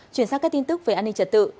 chuyển sang các tin tức về an ninh trật tự